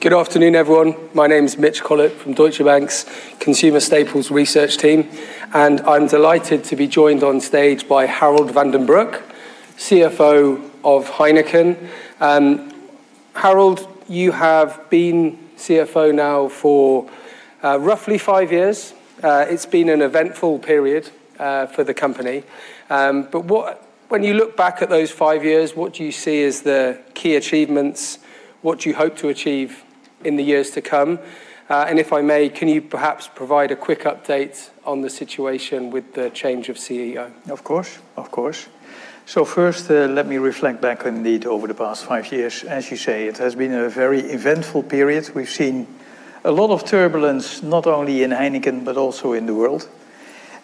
Good afternoon, everyone. My name is Mitch Collett from Deutsche Bank's Consumer Staples research team, and I'm delighted to be joined on stage by Harold van den Broek, CFO of Heineken. Harold, you have been CFO now for roughly five years. It's been an eventful period for the company. When you look back at those five years, what do you see as the key achievements? What do you hope to achieve in the years to come? If I may, can you perhaps provide a quick update on the situation with the change of CEO? Of course. First, let me reflect back on indeed, over the past five years. As you say, it has been a very eventful period. We've seen a lot of turbulence, not only in Heineken, but also in the world.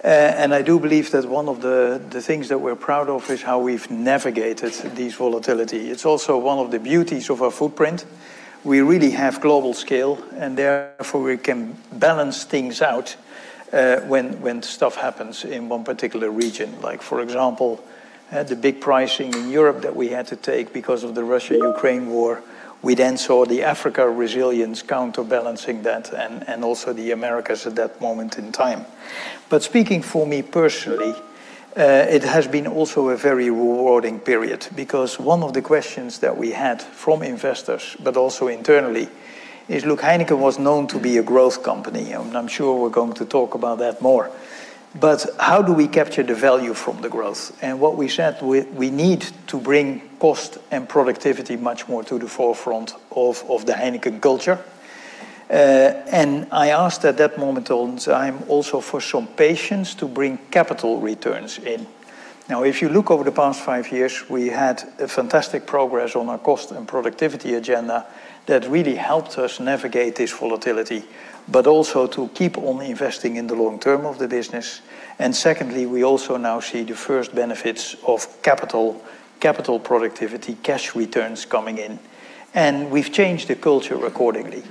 I do believe that one of the things that we're proud of is how we've navigated this volatility. It's also one of the beauties of our footprint. We really have global scale, and therefore, we can balance things out when stuff happens in one particular region. Like for example, the big pricing in Europe that we had to take because of the Russia-Ukraine war. We then saw the Africa resilience counterbalancing that and also the Americas at that moment in time. Speaking for me personally, it has been also a very rewarding period because one of the questions that we had from investors, but also internally is, look, Heineken was known to be a growth company, and I'm sure we're going to talk about that more. How do we capture the value from the growth? What we said, we need to bring cost and productivity much more to the forefront of the Heineken culture. I asked at that moment in time also for some patience to bring capital returns in. If you look over the past five years, we had a fantastic progress on our cost and productivity agenda that really helped us navigate this volatility, but also to keep on investing in the long term of the business. Secondly, we also now see the first benefits of capital productivity cash returns coming in, and we've changed the culture accordingly.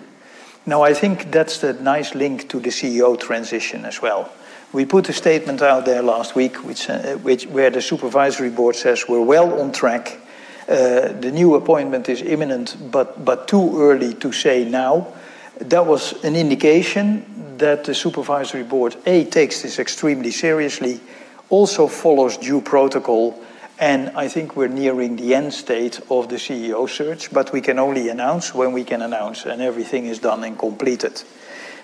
I think that's the nice link to the CEO transition as well. We put a statement out there last week, where the supervisory board says we're well on track. The new appointment is imminent, but too early to say now. That was an indication that the supervisory board, A, takes this extremely seriously, also follows due protocol, and I think we're nearing the end state of the CEO search, but we can only announce when we can announce and everything is done and completed.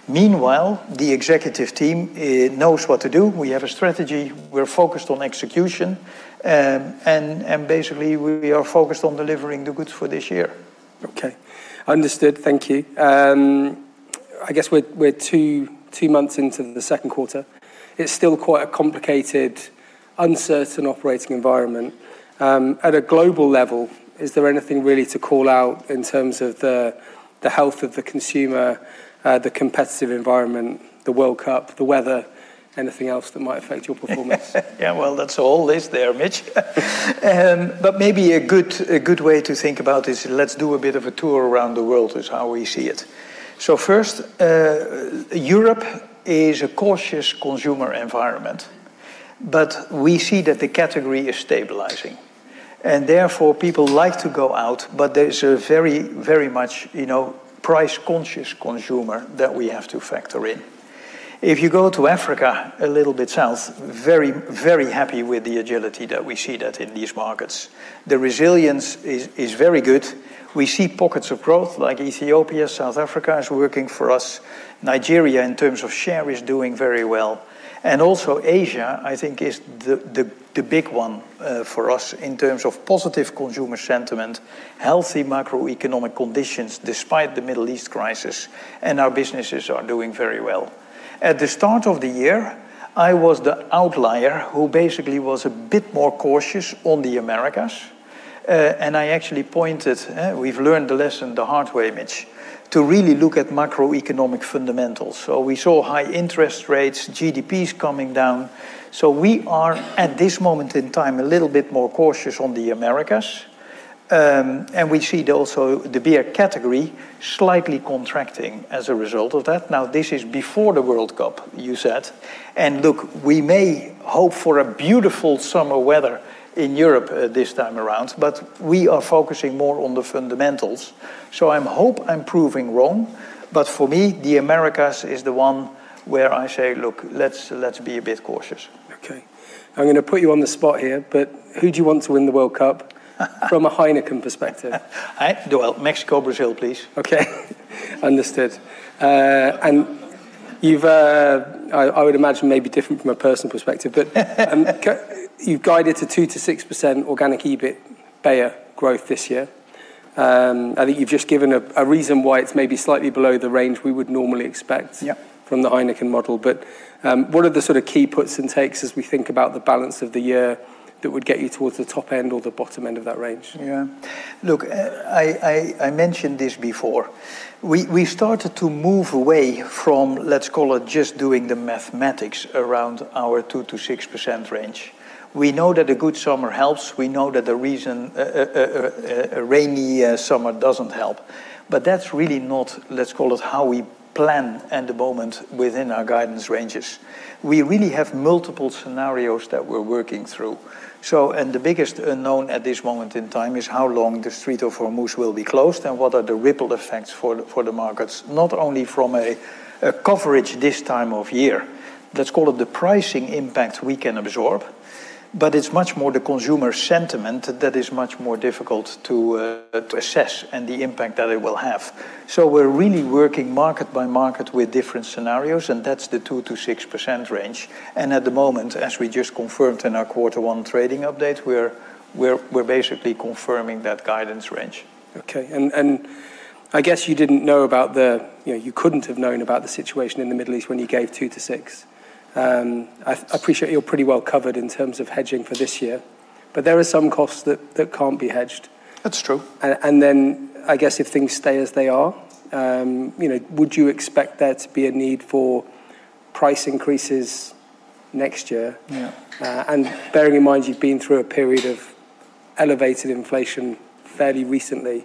Meanwhile, the executive team knows what to do. We have a strategy. We're focused on execution, and basically, we are focused on delivering the goods for this year. Okay. Understood. Thank you. I guess we're two months into the second quarter. It's still quite a complicated, uncertain operating environment. At a global level, is there anything really to call out in terms of the health of the consumer, the competitive environment, the World Cup, the weather, anything else that might affect your performance? Yeah. Well, that's a whole list there, Mitch. Maybe a good way to think about this, let's do a bit of a tour around the world is how we see it. First, Europe is a cautious consumer environment, but we see that the category is stabilizing, and therefore, people like to go out, but there is a very much price-conscious consumer that we have to factor in. If you go to Africa, a little bit south, very happy with the agility that we see that in these markets. The resilience is very good. We see pockets of growth like Ethiopia, South Africa is working for us. Nigeria, in terms of share, is doing very well. Also Asia, I think is the big one for us in terms of positive consumer sentiment, healthy macroeconomic conditions despite the Middle East crisis, and our businesses are doing very well. At the start of the year, I was the outlier who basically was a bit more cautious on the Americas. I actually pointed, we've learned the lesson the hard way, Mitch, to really look at macroeconomic fundamentals. We saw high interest rates, GDPs coming down. We are, at this moment in time, a little bit more cautious on the Americas. We see also the beer category slightly contracting as a result of that. Now, this is before the World Cup, you said. Look, we may hope for a beautiful summer weather in Europe this time around. We are focusing more on the fundamentals. I hope I'm proving wrong, but for me, the Americas is the one where I say, "Look, let's be a bit cautious. Okay. I'm going to put you on the spot here. Who do you want to win the World Cup from a Heineken perspective? Well, Mexico or Brazil, please. Okay. Understood. I would imagine maybe different from a personal perspective. You've guided to 2%-6% organic EBITA growth this year. I think you've just given a reason why it's maybe slightly below the range we would normally expect. Yeah from the Heineken model. What are the sort of key puts and takes as we think about the balance of the year that would get you towards the top end or the bottom end of that range? Yeah. Look, I mentioned this before. We started to move away from, let's call it just doing the mathematics around our 2%-6% range. We know that a good summer helps. We know that a rainy summer doesn't help. That's really not, let's call it how we plan at the moment within our guidance ranges. We really have multiple scenarios that we're working through. The biggest unknown at this moment in time is how long the Strait of Hormuz will be closed and what are the ripple effects for the markets, not only from a coverage this time of year. Let's call it the pricing impact we can absorb, but it's much more the consumer sentiment that is much more difficult to assess and the impact that it will have. We're really working market by market with different scenarios, and that's the 2%-6% range. At the moment, as we just confirmed in our quarter one trading update, we're basically confirming that guidance range. Okay. I guess you couldn't have known about the situation in the Middle East when you gave 2%-6%. I appreciate you're pretty well covered in terms of hedging for this year. There are some costs that can't be hedged. That's true. I guess if things stay as they are, would you expect there to be a need for price increases next year? Yeah. Bearing in mind you've been through a period of elevated inflation fairly recently,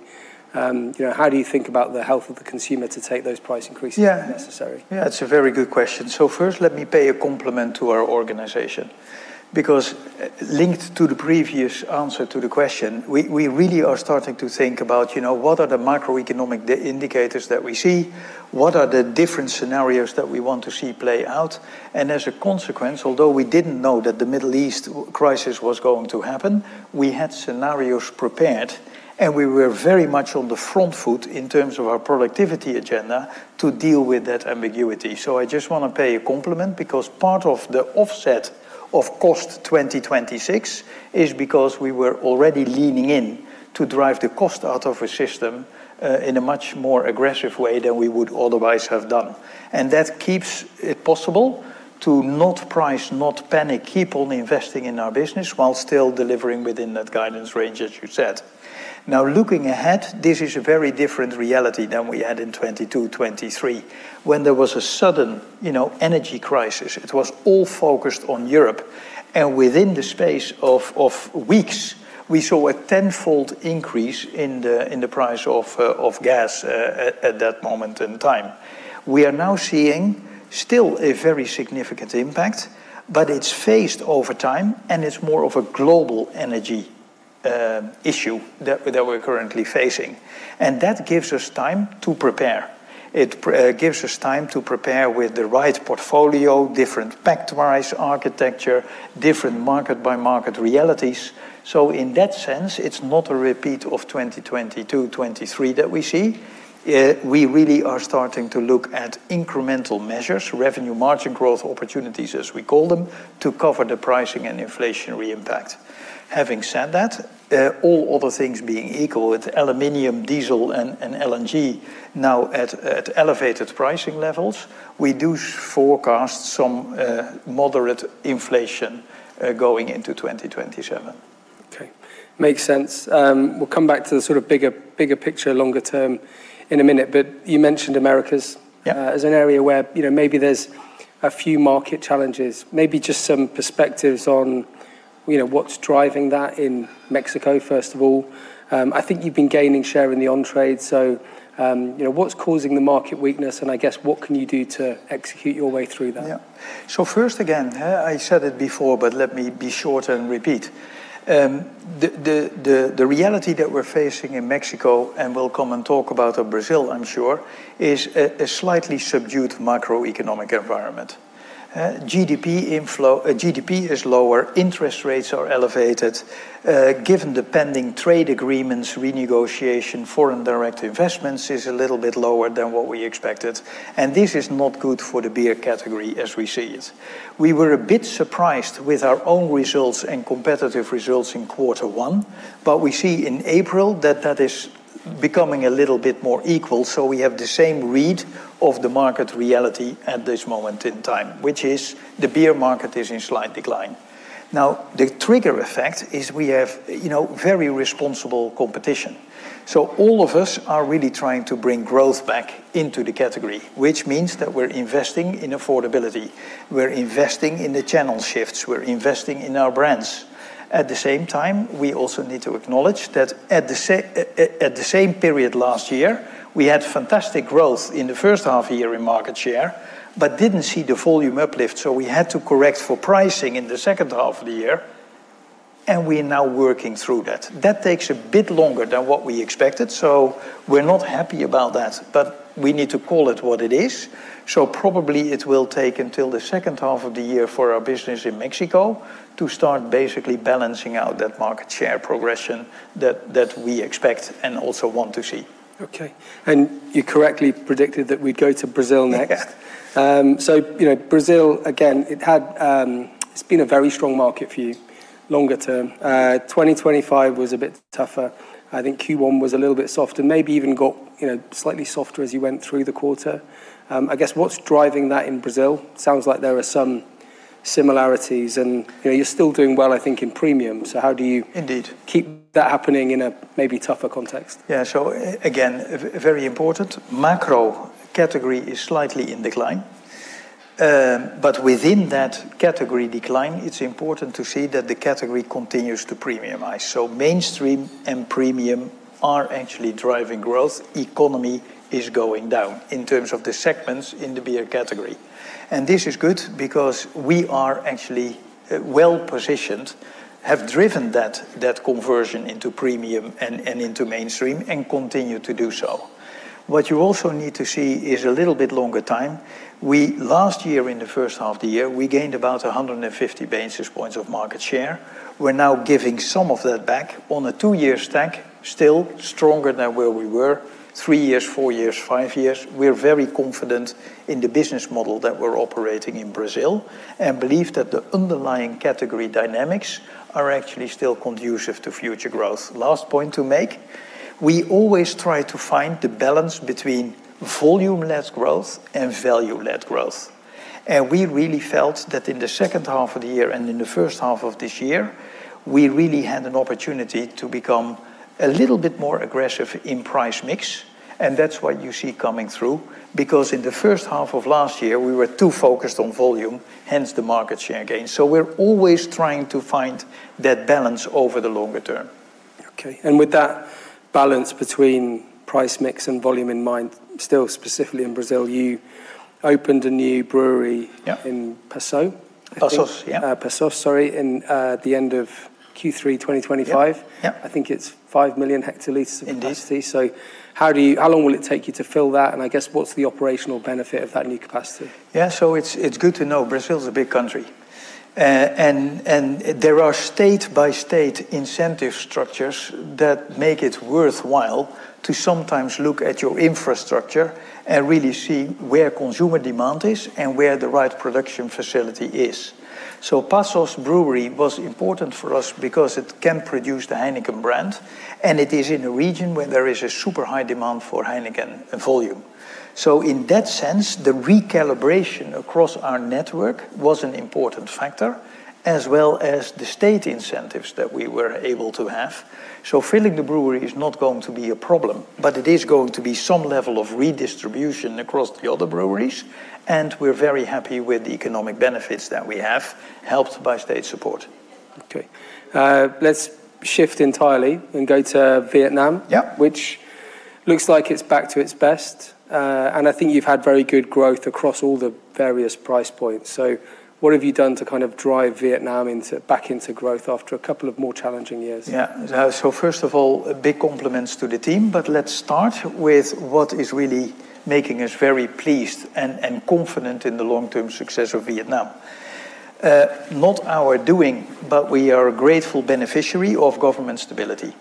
how do you think about the health of the consumer to take those price increases? Yeah if necessary? Yeah, it's a very good question. First, let me pay a compliment to our organization because linked to the previous answer to the question, we really are starting to think about what are the macroeconomic indicators that we see, what are the different scenarios that we want to see play out, and as a consequence, although we didn't know that the Middle East crisis was going to happen, we had scenarios prepared, and we were very much on the front foot in terms of our productivity agenda to deal with that ambiguity. I just want to pay a compliment because part of the offset of cost 2026 is because we were already leaning in to drive the cost out of a system in a much more aggressive way than we would otherwise have done. That keeps it possible to not price, not panic, keep on investing in our business while still delivering within that guidance range, as you said. Now, looking ahead, this is a very different reality than we had in 2022, 2023. When there was a sudden energy crisis, it was all focused on Europe. Within the space of weeks, we saw a 10-fold increase in the price of gas at that moment in time. We are now seeing still a very significant impact, but it's phased over time, and it's more of a global energy issue that we're currently facing. That gives us time to prepare. It gives us time to prepare with the right portfolio, different pack-wise architecture, different market-by-market realities. In that sense, it's not a repeat of 2022, 2023 that we see. We really are starting to look at incremental measures, revenue margin growth opportunities, as we call them, to cover the pricing and inflationary impact. Having said that, all other things being equal with aluminum, diesel, and LNG now at elevated pricing levels, we do forecast some moderate inflation going into 2027. Okay. Makes sense. We'll come back to the bigger picture longer term in a minute, but you mentioned Americas- Yeah As an area where maybe there's a few market challenges. Maybe just some perspectives on what's driving that in Mexico, first of all. I think you've been gaining share in the on-trade. What's causing the market weakness, and I guess, what can you do to execute your way through that? Yeah. First, again, I said it before, but let me be short and repeat. The reality that we're facing in Mexico, and we'll come and talk about Brazil, I'm sure, is a slightly subdued macroeconomic environment. GDP is lower, interest rates are elevated. Given the pending trade agreements, renegotiation, foreign direct investments is a little bit lower than what we expected, and this is not good for the beer category as we see it. We were a bit surprised with our own results and competitive results in quarter one, but we see in April that that is becoming a little bit more equal, so we have the same read of the market reality at this moment in time, which is the beer market is in slight decline. The trigger effect is we have very responsible competition. All of us are really trying to bring growth back into the category, which means that we're investing in affordability, we're investing in the channel shifts, we're investing in our brands. At the same time, we also need to acknowledge that at the same period last year, we had fantastic growth in the first half year in market share, but didn't see the volume uplift. We had to correct for pricing in the second half of the year, and we are now working through that. That takes a bit longer than what we expected. We're not happy about that, but we need to call it what it is. Probably it will take until the second half of the year for our business in Mexico to start basically balancing out that market share progression that we expect and also want to see. Okay. You correctly predicted that we'd go to Brazil next. Yeah. Brazil, again, it's been a very strong market for you longer term. 2025 was a bit tougher. I think Q1 was a little bit softer, maybe even got slightly softer as you went through the quarter. I guess what's driving that in Brazil? Sounds like there are some similarities, and you're still doing well, I think, in premium. How do you-? Indeed keep that happening in a maybe tougher context? Yeah. Again, very important. Macro category is slightly in decline. Within that category decline, it's important to see that the category continues to premiumize. Mainstream and premium are actually driving growth. Economy is going down in terms of the segments in the beer category. This is good because we are actually well-positioned, have driven that conversion into premium and into mainstream and continue to do so. What you also need to see is a little bit longer time. Last year, in the first half of the year, we gained about 150 basis points of market share. We're now giving some of that back on a two-year stack, still stronger than where we were three years, four years, five years. We're very confident in the business model that we're operating in Brazil and believe that the underlying category dynamics are actually still conducive to future growth. Last point to make. We always try to find the balance between volume-led growth and value-led growth. We really felt that in the second half of the year and in the first half of this year, we really had an opportunity to become a little bit more aggressive in price mix, and that's what you see coming through. Because in the first half of last year, we were too focused on volume, hence the market share gain. We're always trying to find that balance over the longer term. Okay. With that balance between price mix and volume in mind, still specifically in Brazil, you opened a new brewery. Yeah in Passo? Passos, yeah. Passos, sorry, in the end of Q3 2025. Yeah. I think it's 5 million hectoliters of capacity. Indeed. How long will it take you to fill that, and I guess what's the operational benefit of that new capacity? Yeah, it's good to know Brazil is a big country. There are state-by-state incentive structures that make it worthwhile to sometimes look at your infrastructure and really see where consumer demand is and where the right production facility is. Passos brewery was important for us because it can produce the Heineken brand, and it is in a region where there is a super high demand for Heineken volume. In that sense, the recalibration across our network was an important factor, as well as the state incentives that we were able to have. Filling the brewery is not going to be a problem, but it is going to be some level of redistribution across the other breweries, and we're very happy with the economic benefits that we have, helped by state support. Let's shift entirely and go to Vietnam. Yeah. Which looks like it's back to its best. I think you've had very good growth across all the various price points. What have you done to kind of drive Vietnam back into growth after a couple of more challenging years? Yeah. First of all, big compliments to the team, but let's start with what is really making us very pleased and confident in the long-term success of Vietnam. Not our doing, but we are a grateful beneficiary of government stability.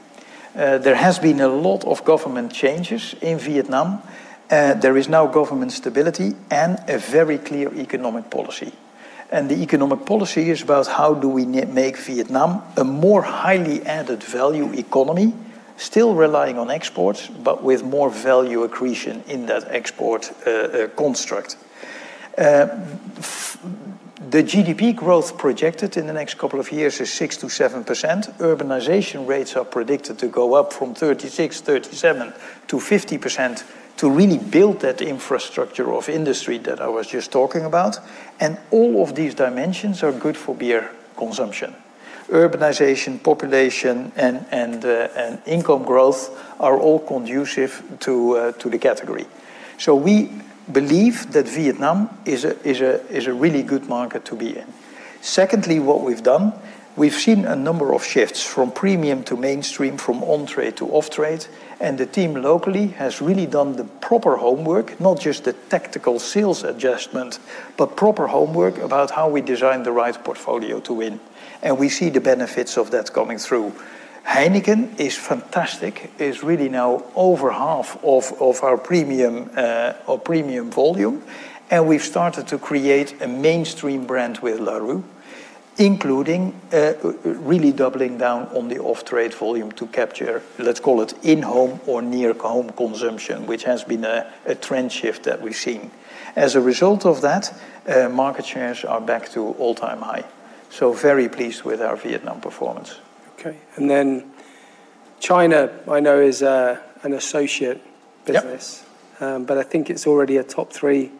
There has been a lot of government changes in Vietnam. There is now government stability and a very clear economic policy. The economic policy is about how do we make Vietnam a more highly added value economy, still relying on exports, but with more value accretion in that export construct. The GDP growth projected in the next couple of years is 6%-7%. Urbanization rates are predicted to go up from 36%, 37%-50% to really build that infrastructure of industry that I was just talking about. All of these dimensions are good for beer consumption. Urbanization, population, and income growth are all conducive to the category. We believe that Vietnam is a really good market to be in. Secondly, what we've done, we've seen a number of shifts from premium to mainstream, from on-trade to off-trade, and the team locally has really done the proper homework, not just the tactical sales adjustment, but proper homework about how we design the right portfolio to win. We see the benefits of that coming through. Heineken is fantastic. It's really now over half of our premium volume, and we've started to create a mainstream brand with Larue, including really doubling down on the off-trade volume to capture, let's call it, in-home or near-home consumption, which has been a trend shift that we've seen. As a result of that, market shares are back to all-time high. Very pleased with our Vietnam performance. Okay. Then China, I know is an associate business. Yeah. I think it's already a top three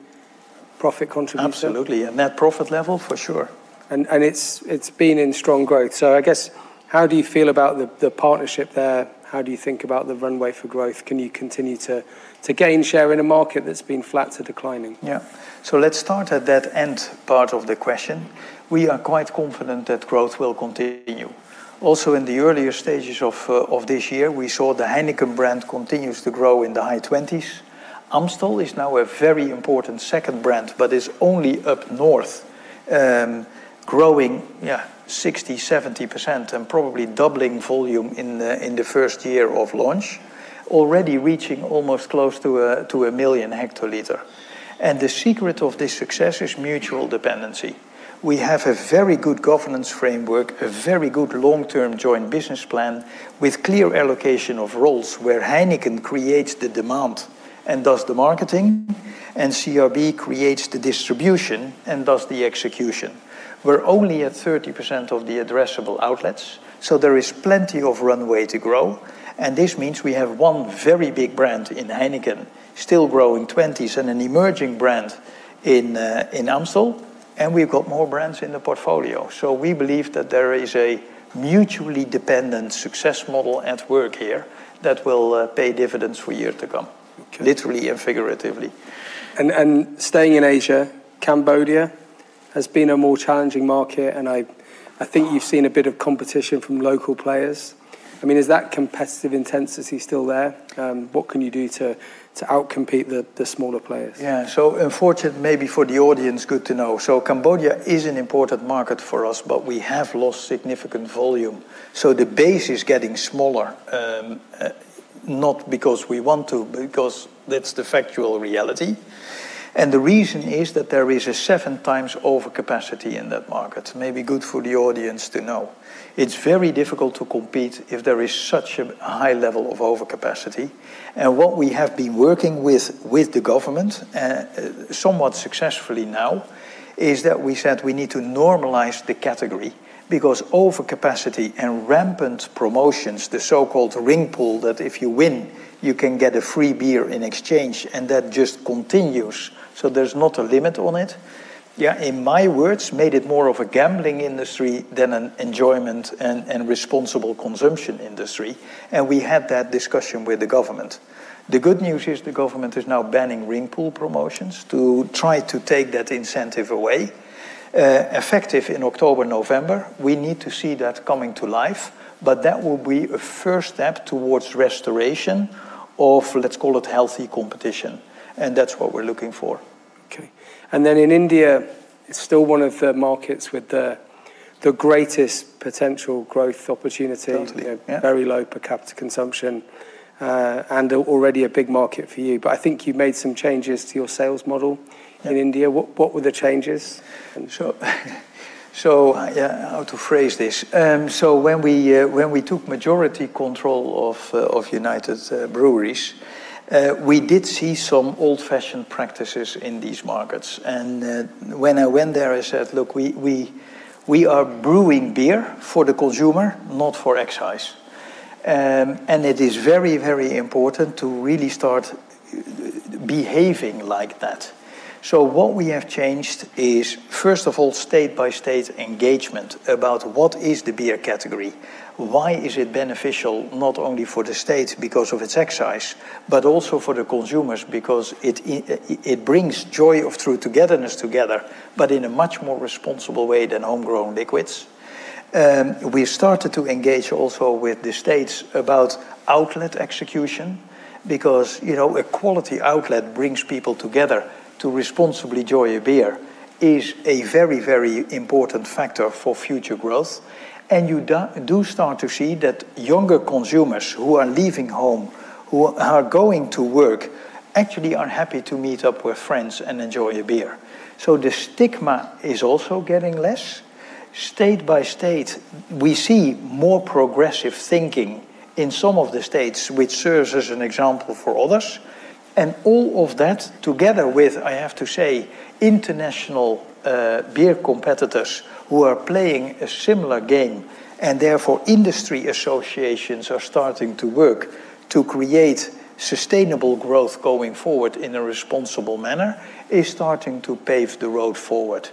profit contributor. Absolutely. At net profit level, for sure. It's been in strong growth. I guess, how do you feel about the partnership there? How do you think about the runway for growth? Can you continue to gain share in a market that's been flat to declining? Yeah. Let's start at that end part of the question. We are quite confident that growth will continue. In the earlier stages of this year, we saw the Heineken brand continues to grow in the high 20s. Amstel is now a very important second brand, but is only up north, growing 60%, 70% and probably doubling volume in the first year of launch. Already reaching almost close to a million hectoliter. The secret of this success is mutual dependency. We have a very good governance framework, a very good long-term joint business plan with clear allocation of roles where Heineken creates the demand and does the marketing, and CRB creates the distribution and does the execution. We're only at 30% of the addressable outlets, so there is plenty of runway to grow. This means we have one very big brand in Heineken still growing 20s and an emerging brand in Amstel, and we've got more brands in the portfolio. We believe that there is a mutually dependent success model at work here that will pay dividends for years to come, literally and figuratively. Staying in Asia, Cambodia has been a more challenging market, and I think you've seen a bit of competition from local players. I mean, is that competitive intensity still there? What can you do to outcompete the smaller players? Yeah. Unfortunate, maybe for the audience, good to know. Cambodia is an important market for us, but we have lost significant volume. The base is getting smaller, not because we want to, but because that's the factual reality. The reason is that there is a 7x overcapacity in that market. Maybe good for the audience to know. It's very difficult to compete if there is such a high level of overcapacity. What we have been working with the government, somewhat successfully now, is that we said we need to normalize the category because overcapacity and rampant promotions, the so-called ring pull, that if you win, you can get a free beer in exchange, and that just continues. There's not a limit on it. In my words, made it more of a gambling industry than an enjoyment and responsible consumption industry. We had that discussion with the government. The good news is the government is now banning ring pull promotions to try to take that incentive away, effective in October, November. We need to see that coming to life. That will be a first step towards restoration of, let's call it, healthy competition, and that's what we're looking for. Okay. In India, it's still one of the markets with the greatest potential growth opportunity. Totally, yeah. Very low per capita consumption, and already a big market for you. I think you made some changes to your sales model in India. Yeah. What were the changes? How to phrase this. When we took majority control of United Breweries, we did see some old-fashioned practices in these markets. When I went there, I said, "Look, we are brewing beer for the consumer, not for excise." It is very, very important to really start behaving like that. What we have changed is, first of all, state-by-state engagement about what is the beer category. Why is it beneficial not only for the state because of its excise, but also for the consumers because it brings joy of true togetherness together, but in a much more responsible way than homegrown liquids. We started to engage also with the states about outlet execution because a quality outlet brings people together to responsibly enjoy a beer. It is a very, very important factor for future growth. You do start to see that younger consumers who are leaving home, who are going to work, actually are happy to meet up with friends and enjoy a beer. The stigma is also getting less. State by state, we see more progressive thinking in some of the states, which serves as an example for others. All of that together with, I have to say, international beer competitors who are playing a similar game, and therefore industry associations are starting to work to create sustainable growth going forward in a responsible manner, is starting to pave the road forward.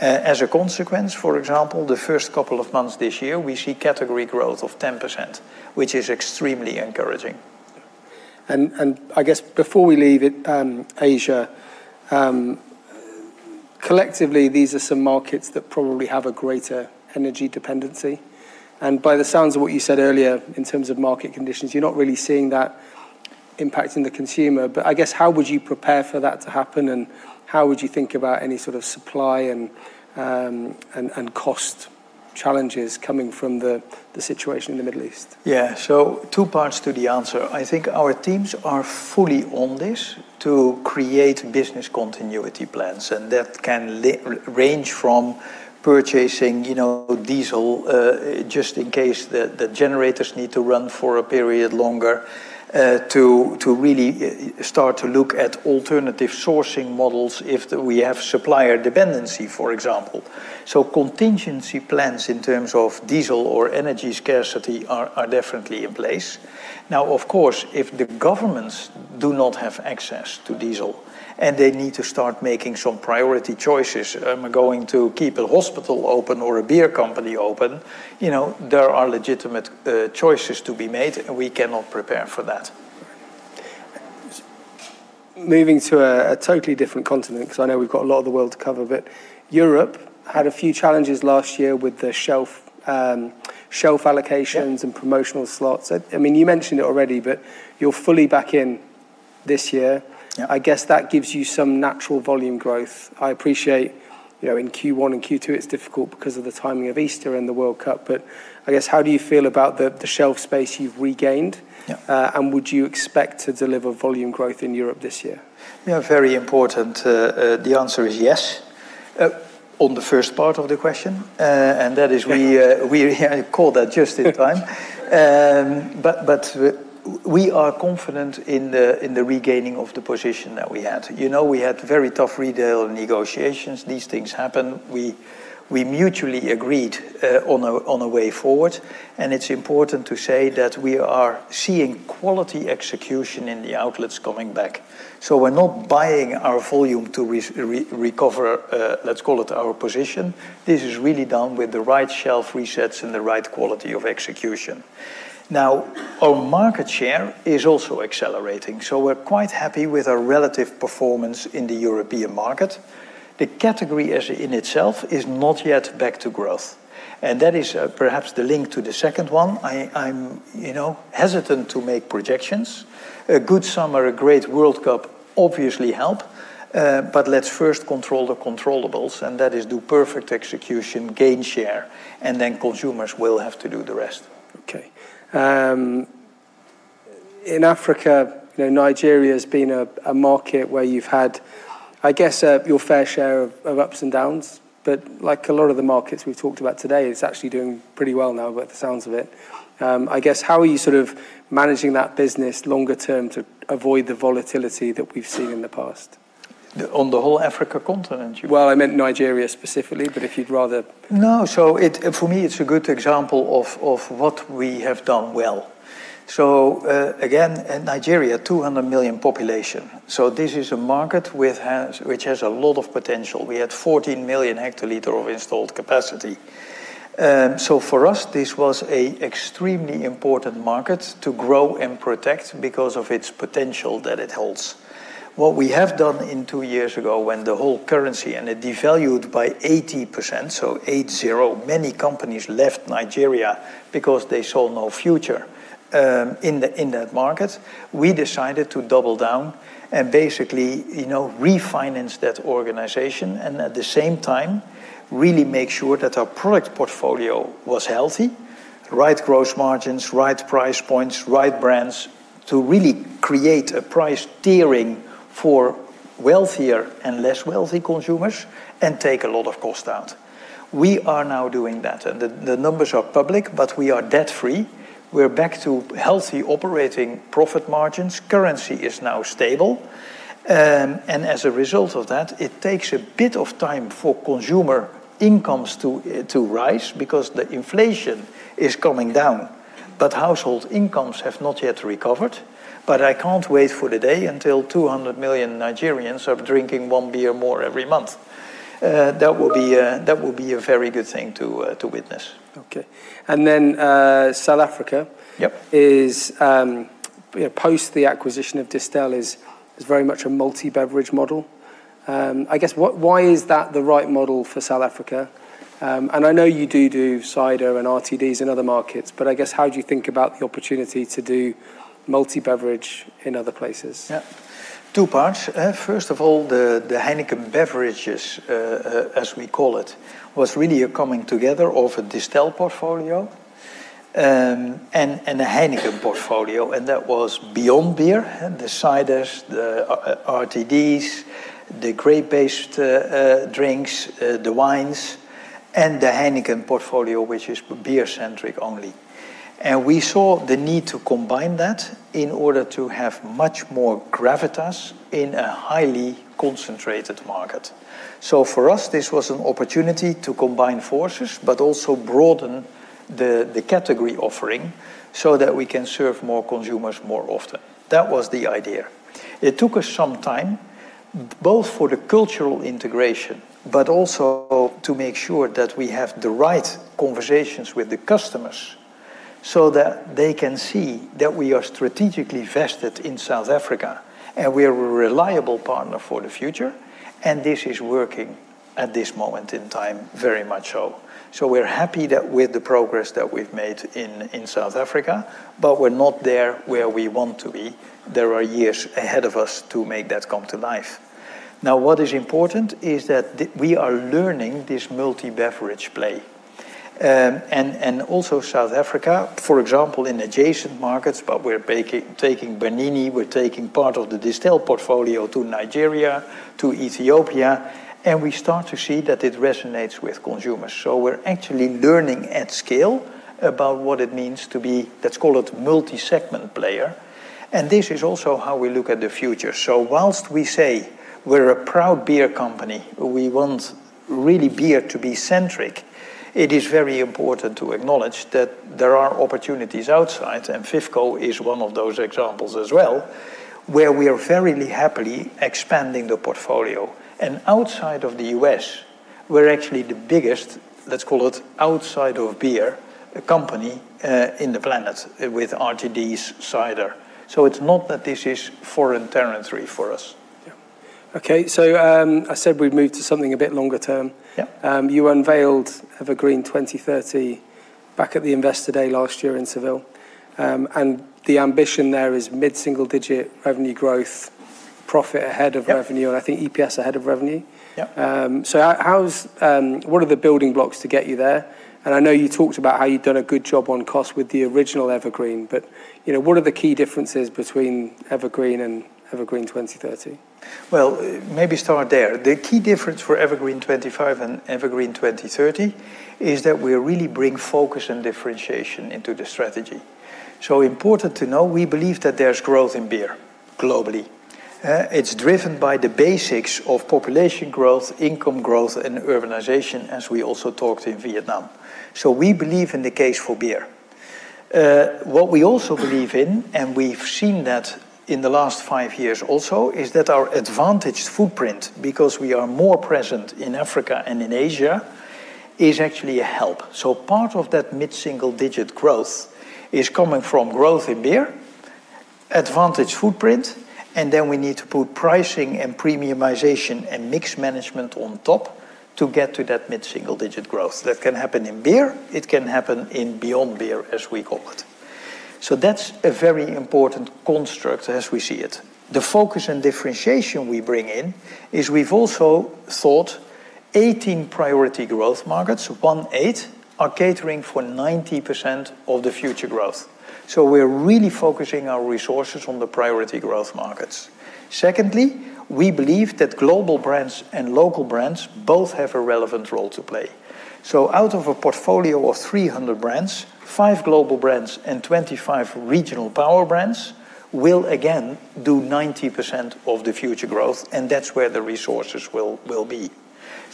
As a consequence, for example, the first couple of months this year, we see category growth of 10%, which is extremely encouraging. I guess before we leave Asia, collectively, these are some markets that probably have a greater energy dependency. By the sounds of what you said earlier in terms of market conditions, you're not really seeing that impacting the consumer. I guess, how would you prepare for that to happen, and how would you think about any sort of supply and cost challenges coming from the situation in the Middle East? Yeah. Two parts to the answer. I think our teams are fully on this to create business continuity plans, and that can range from purchasing diesel, just in case the generators need to run for a period longer. To really start to look at alternative sourcing models if we have supplier dependency, for example. Contingency plans in terms of diesel or energy scarcity are definitely in place. Now, of course, if the governments do not have access to diesel and they need to start making some priority choices, am I going to keep a hospital open or a beer company open? There are legitimate choices to be made, and we cannot prepare for that. Moving to a totally different continent, because I know we've got a lot of the world to cover, but Europe had a few challenges last year with the shelf allocations and promotional slots. You mentioned it already, you're fully back in this year. Yeah. I guess that gives you some natural volume growth. I appreciate in Q1 and Q2, it's difficult because of the timing of Easter and the World Cup. I guess, how do you feel about the shelf space you've regained? Yeah. Would you expect to deliver volume growth in Europe this year? Yeah, very important. The answer is yes, on the first part of the question. That is we called that just in time. We are confident in the regaining of the position that we had. We had very tough retail negotiations. These things happen. We mutually agreed on a way forward, and it's important to say that we are seeing quality execution in the outlets coming back. We're not buying our volume to recover, let's call it, our position. This is really done with the right shelf resets and the right quality of execution. Now, our market share is also accelerating, so we're quite happy with our relative performance in the European market. The category in itself is not yet back to growth, and that is perhaps the link to the second one. I'm hesitant to make projections. A good summer, a great World Cup obviously help. Let's first control the controllables, and that is do perfect execution, gain share, and then consumers will have to do the rest. Okay. In Africa, Nigeria has been a market where you've had, I guess your fair share of ups and downs, but like a lot of the markets we've talked about today, it's actually doing pretty well now by the sounds of it. I guess, how are you sort of managing that business longer term to avoid the volatility that we've seen in the past? On the whole Africa continent, you mean? Well, I meant Nigeria specifically, but if you'd rather. No. For me, it's a good example of what we have done well. Again, in Nigeria, 200 million population. This is a market which has a lot of potential. We had 14 million hectolitre of installed capacity. For us, this was a extremely important market to grow and protect because of its potential that it holds. What we have done in two years ago when the whole currency and it devalued by 80%, so 80%, many companies left Nigeria because they saw no future in that market. We decided to double down and basically refinance that organization and at the same time really make sure that our product portfolio was healthy, right growth margins, right price points, right brands to really create a price tiering for wealthier and less wealthy consumers and take a lot of cost out. We are now doing that. The numbers are public, but we are debt-free. We're back to healthy operating profit margins. Currency is now stable. As a result of that, it takes a bit of time for consumer incomes to rise because the inflation is coming down. Household incomes have not yet recovered. I can't wait for the day until 200 million Nigerians are drinking one beer more every month. That will be a very good thing to witness. Okay. South Africa- Yep post the acquisition of Distell is very much a multi-beverage model. I guess, why is that the right model for South Africa? I know you do cider and RTDs in other markets, but I guess, how do you think about the opportunity to do multi-beverage in other places? Yeah. Two parts. First of all, the HEINEKEN Beverages, as we call it, was really a coming together of a Distell portfolio, and a Heineken portfolio, and that was beyond beer, the ciders, the RTDs, the grape-based drinks, the wines, and the Heineken portfolio, which is beer centric only. We saw the need to combine that in order to have much more gravitas in a highly concentrated market. For us, this was an opportunity to combine forces, but also broaden the category offering so that we can serve more consumers more often. That was the idea. It took us some time, both for the cultural integration, but also to make sure that we have the right conversations with the customers so that they can see that we are strategically vested in South Africa and we're a reliable partner for the future, and this is working at this moment in time very much so. We're happy with the progress that we've made in South Africa, but we're not there where we want to be. There are years ahead of us to make that come to life. What is important is that we are learning this multi-beverage play. Also South Africa, for example, in adjacent markets, but we're taking Bernini, we're taking part of the Distell portfolio to Nigeria, to Ethiopia, and we start to see that it resonates with consumers. We're actually learning at scale about what it means to be, let's call it multi-segment player. This is also how we look at the future. Whilst we say we're a proud beer company, we want really beer to be centric, it is very important to acknowledge that there are opportunities outside, and FIFCO is one of those examples as well, where we are very happily expanding the portfolio. Outside of the U.S., we're actually the biggest, let's call it outside of beer company, in the planet with RTDs, cider. It's not that this is foreign territory for us. Yeah. Okay. I said we'd move to something a bit longer term. Yeah. You unveiled EverGreen 2030 back at the Investor Day last year in Seville. The ambition there is mid-single-digit revenue growth, profit ahead of revenue. Yep I think EPS ahead of revenue. Yep. What are the building blocks to get you there? I know you talked about how you've done a good job on cost with the original EverGreen, but what are the key differences between EverGreen and EverGreen 2030? Maybe start there. The key difference for EverGreen 2025 and EverGreen 2030 is that we really bring focus and differentiation into the strategy. Important to know, we believe that there's growth in beer globally. It's driven by the basics of population growth, income growth, and urbanization, as we also talked in Vietnam. We believe in the case for beer. What we also believe in, and we've seen that in the last five years also, is that our advantaged footprint, because we are more present in Africa and in Asia, is actually a help. Part of that mid-single digit growth is coming from growth in beer, advantaged footprint, and then we need to put pricing and premiumization and mix management on top to get to that mid-single-digit growth. That can happen in beer. It can happen in beyond beer, as we call it. That's a very important construct as we see it. The focus and differentiation we bring in is we've also sought 18 priority growth markets are catering for 90% of the future growth. We're really focusing our resources on the priority growth markets. Secondly, we believe that global brands and local brands both have a relevant role to play. Out of a portfolio of 300 brands, five global brands and 25 regional power brands will again do 90% of the future growth, and that's where the resources will be.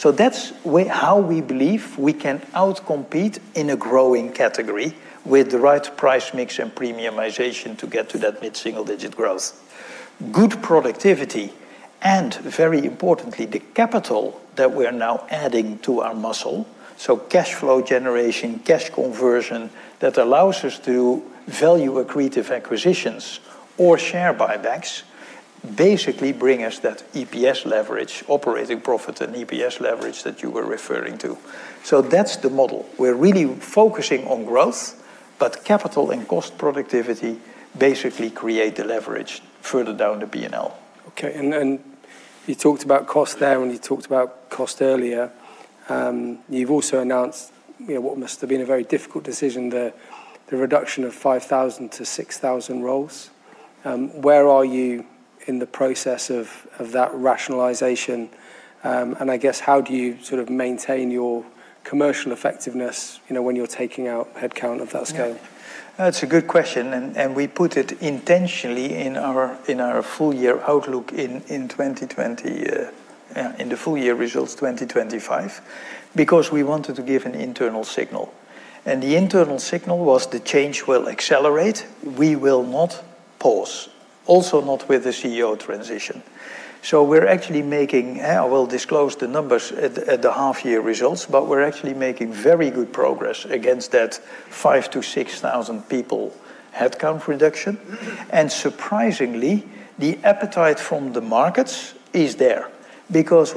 That's how we believe we can out-compete in a growing category with the right price mix and premiumization to get to that mid-single-digit growth. Good productivity, and very importantly, the capital that we're now adding to our muscle, so cash flow generation, cash conversion, that allows us to value accretive acquisitions or share buybacks, basically bring us that EPS leverage, operating profit and EPS leverage that you were referring to. That's the model. We're really focusing on growth, but capital and cost productivity basically create the leverage further down the P&L. Okay. You talked about cost there, and you talked about cost earlier. You've also announced what must have been a very difficult decision, the reduction of 5,000-6,000 roles. Where are you in the process of that rationalization? I guess, how do you maintain your commercial effectiveness when you're taking out headcount of that scale? That's a good question, we put it intentionally in our full year outlook in the full year results 2025, because we wanted to give an internal signal. The internal signal was the change will accelerate. We will not pause. Also not with the CEO transition. We're actually making I will disclose the numbers at the half year results, but we're actually making very good progress against that 5,000-6,000 people headcount reduction. Surprisingly, the appetite from the markets is there, because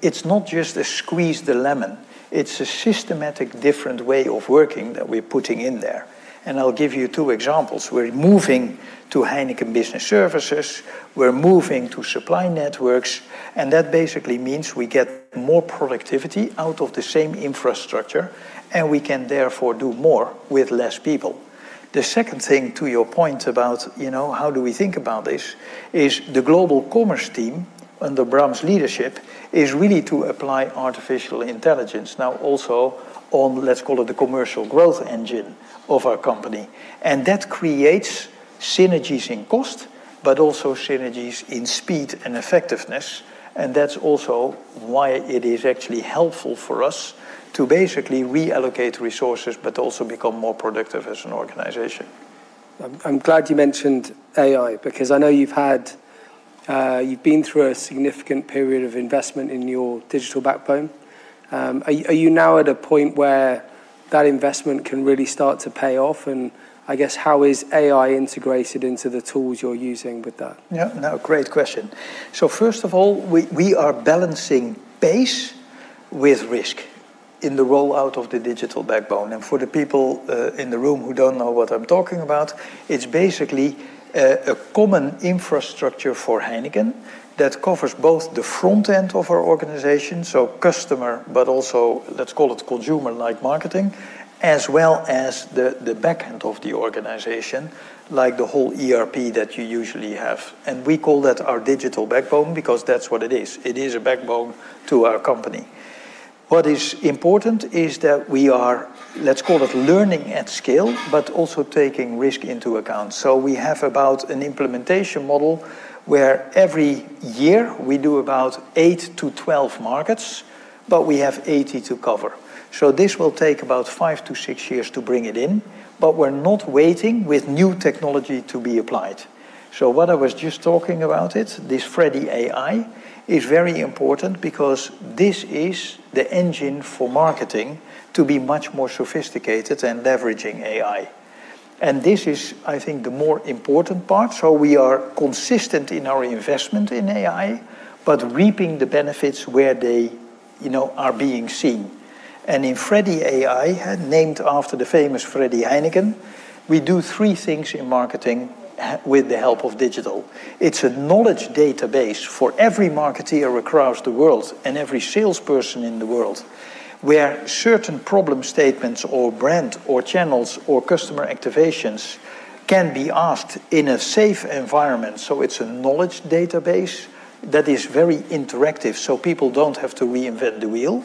it's not just a squeeze the lemon. It's a systematic different way of working that we're putting in there. I'll give you two examples. We're moving to Heineken Business Services. We're moving to supply networks, that basically means we get more productivity out of the same infrastructure, we can therefore do more with less people. The second thing, to your point about how do we think about this, is the global commerce team under Bram's leadership is really to apply artificial intelligence now also on, let's call it, the commercial growth engine of our company. That creates synergies in cost, but also synergies in speed and effectiveness. That's also why it is actually helpful for us to basically reallocate resources but also become more productive as an organization. I'm glad you mentioned AI, because I know you've been through a significant period of investment in your digital backbone. Are you now at a point where that investment can really start to pay off, and I guess, how is AI integrated into the tools you're using with that? Yeah, no, great question. First of all, we are balancing pace with risk in the rollout of the digital backbone. For the people in the room who don't know what I'm talking about, it's basically a common infrastructure for Heineken that covers both the front end of our organization, so customer, but also, let's call it, consumer-like marketing, as well as the back end of the organization, like the whole ERP that you usually have. We call that our digital backbone because that's what it is. It is a backbone to our company. What is important is that we are, let's call it, learning at scale, but also taking risk into account. We have about an implementation model where every year we do about 8-12 markets, but we have 80 to cover. This will take about five to six years to bring it in, but we're not waiting with new technology to be applied. What I was just talking about it, this Freddy AI, is very important because this is the engine for marketing to be much more sophisticated and leveraging AI. This is, I think, the more important part. We are consistent in our investment in AI, but reaping the benefits where they are being seen. In Freddy AI, named after the famous Freddy Heineken, we do three things in marketing with the help of digital. It's a knowledge database for every marketer across the world and every salesperson in the world, where certain problem statements or brand or channels or customer activations can be asked in a safe environment. It's a knowledge database that is very interactive, so people don't have to reinvent the wheel.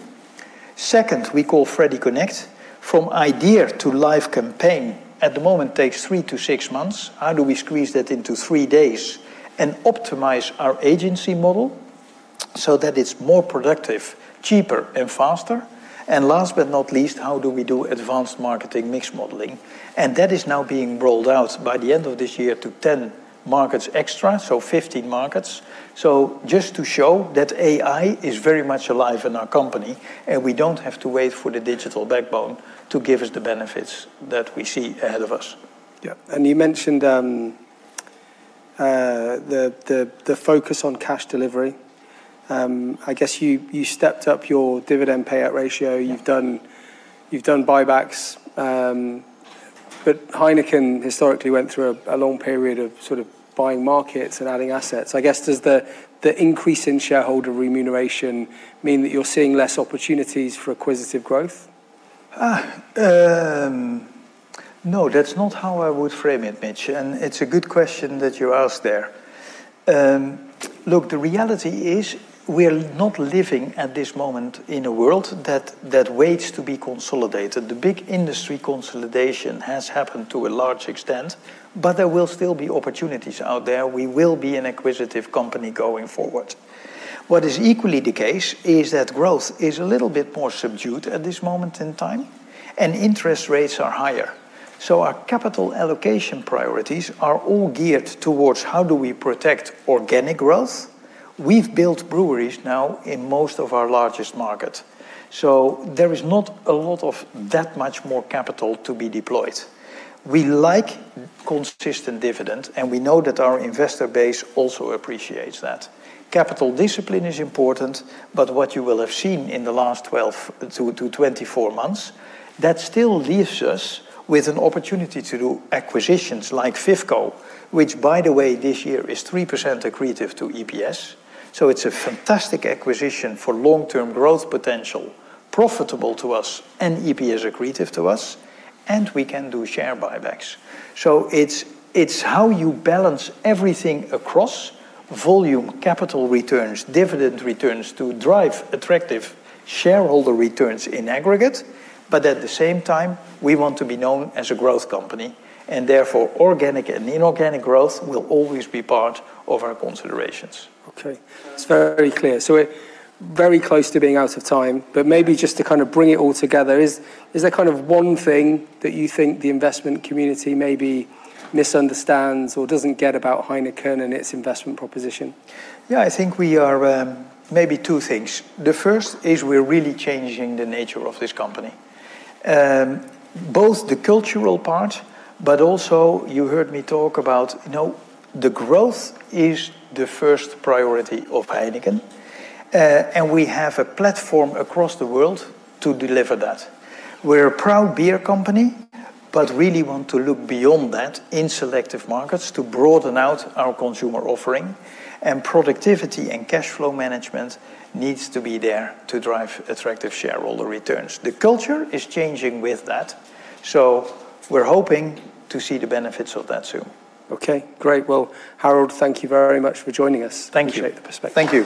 Second, we call Freddy Connect. From idea to live campaign, at the moment takes three to six months. How do we squeeze that into three days and optimize our agency model so that it's more productive, cheaper, and faster? Last but not least, how do we do advanced marketing mix modeling? That is now being rolled out by the end of this year to 10 markets extra, so 15 markets. Just to show that AI is very much alive in our company, and we don't have to wait for the digital backbone to give us the benefits that we see ahead of us. Yeah. You mentioned the focus on cash delivery. I guess you stepped up your dividend payout ratio. You've done buybacks. Heineken historically went through a long period of buying markets and adding assets. I guess, does the increase in shareholder remuneration mean that you're seeing less opportunities for acquisitive growth? No, that's not how I would frame it, Mitch, and it's a good question that you ask there. Look, the reality is we're not living at this moment in a world that waits to be consolidated. The big industry consolidation has happened to a large extent, but there will still be opportunities out there. We will be an acquisitive company going forward. What is equally the case is that growth is a little bit more subdued at this moment in time and interest rates are higher. Our capital allocation priorities are all geared towards how do we protect organic growth. We've built breweries now in most of our largest markets. There is not a lot of that much more capital to be deployed. We like consistent dividend, and we know that our investor base also appreciates that. Capital discipline is important, but what you will have seen in the last 12 to 24 months, that still leaves us with an opportunity to do acquisitions like FIFCO, which by the way, this year is 3% accretive to EPS. It's a fantastic acquisition for long-term growth potential, profitable to us, and EPS accretive to us, and we can do share buybacks. It's how you balance everything across volume, capital returns, dividend returns to drive attractive shareholder returns in aggregate. At the same time, we want to be known as a growth company, and therefore organic and inorganic growth will always be part of our considerations. Okay. That's very clear. We're very close to being out of time, but maybe just to kind of bring it all together, is there kind of one thing that you think the investment community maybe misunderstands or doesn't get about Heineken and its investment proposition? Yeah, I think we are. Maybe two things. The first is we're really changing the nature of this company. Both the cultural part, but also you heard me talk about the growth is the first priority of Heineken. We have a platform across the world to deliver that. We're a proud beer company, but really want to look beyond that in selective markets to broaden out our consumer offering, and productivity and cash flow management needs to be there to drive attractive shareholder returns. The culture is changing with that, so we're hoping to see the benefits of that soon. Okay, great. Well, Harold, thank you very much for joining us. Thank you. Appreciate the perspective.